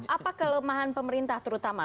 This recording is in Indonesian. apa kelemahan pemerintah terutama